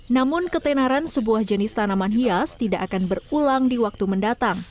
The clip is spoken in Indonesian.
namun ketenaran sebuah jenis tanaman hias tidak akan berulang di waktu mendatang